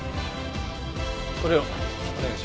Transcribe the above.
これをお願いします。